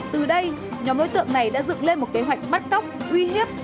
từ đây nhóm đối tượng này đã dựng lên một kế hoạch bắt cóc uy hiếp